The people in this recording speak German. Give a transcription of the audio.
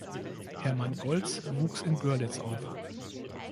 Hermann Goltz wuchs in Görlitz auf.